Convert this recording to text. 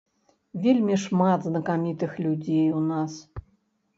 Вельмі шмат знакамітых людзей у нас.